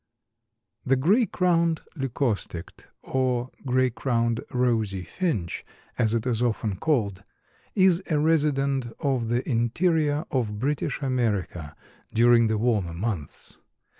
_) The Gray crowned Leucosticte or Gray crowned Rosy Finch, as it is often called, is a resident of the interior of British America during the warmer months.